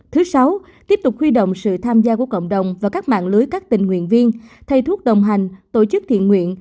thứ sáu tiếp tục huy động sự tham gia của cộng đồng và các mạng lưới các tình nguyện viên thay thuốc đồng hành tổ chức thiện nguyện